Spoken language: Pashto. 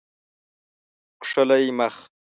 کښلی مخ